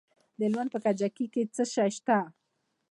د هلمند په کجکي کې څه شی شته؟